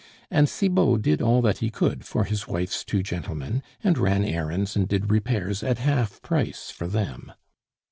And Cibot did all that he could for his wife's two gentlemen, and ran errands and did repairs at half price for them.